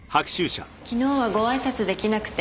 昨日はごあいさつ出来なくて。